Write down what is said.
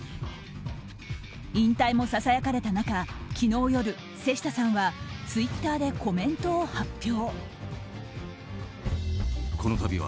引退もささやかれた中、昨日夜瀬下さんはツイッターでコメントを発表。